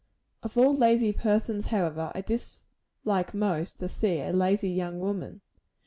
Of all lazy persons, however, I dislike most to see a lazy young woman.